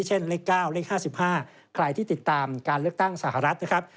เช่นเลข๙เลข๕๕ใครที่ติดตามการเลือกตั้งสหรัฐนะครับ